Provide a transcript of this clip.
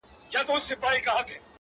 نوې د ایمل او دریاخان حماسه ولیکه٫